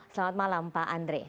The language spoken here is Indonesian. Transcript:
selamat malam pak andre